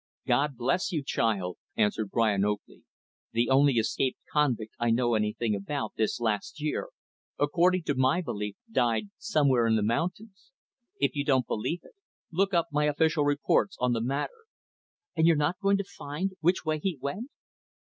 "God bless you, child," answered Brian Oakley, "the only escaped convict I know anything about, this last year, according to my belief, died somewhere in the mountains. If you don't believe it, look up my official reports on the matter." "And you're not going to find which way he went?"